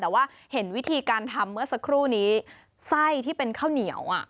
แต่ว่าเห็นวิธีการทำเมื่อสักครู่นี้ไส้ที่เป็นข้าวเหนียวอ่ะ